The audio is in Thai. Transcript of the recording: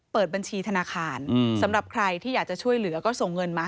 เปิดบัญชีธนาคารสำหรับใครที่อยากจะช่วยเหลือก็ส่งเงินมา